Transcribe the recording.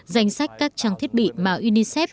danh sách các trang thiết bị mà unicef